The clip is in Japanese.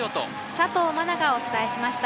佐藤茉那がお伝えしました。